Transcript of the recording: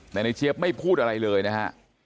แต่ในเจี๊ยบไม่พูดอะไรเลยนะฮะ